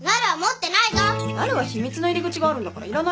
なるは秘密の入り口があるんだからいらないでしょ？